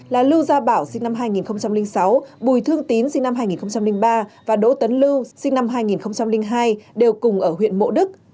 là lưu gia bảo sinh năm hai nghìn sáu bùi thương tín sinh năm hai nghìn ba và đỗ tấn lưu sinh năm hai nghìn hai đều cùng ở huyện mộ đức